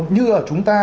như ở chúng ta